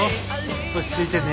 落ち着いてね。